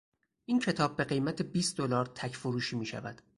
این کتاب به قیمت بیست دلار تک فروشی میشود.